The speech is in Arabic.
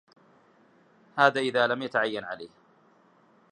هَذَا إذَا لَمْ يَتَعَيَّنْ عَلَيْهِ